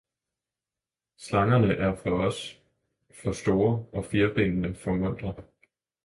Slangerne ere os for store og Fiirbenene for muntre.